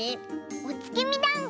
おつきみだんご。